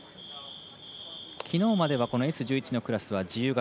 きのうまではＳ１１のクラスは自由形。